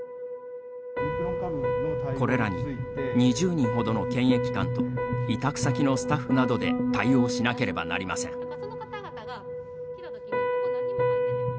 これらに２０人ほどの検疫官と委託先のスタッフなどで対応しなければなりません。